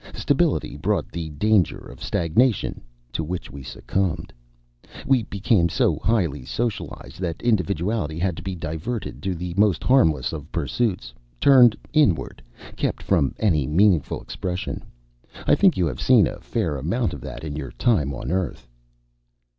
Stability brought the danger of stagnation, to which we succumbed. We became so highly socialized that individuality had to be diverted to the most harmless of pursuits, turned inward, kept from any meaningful expression. I think you have seen a fair amount of that in your time on Earth?"